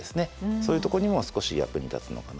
そういうとこにも少し役に立つのかな。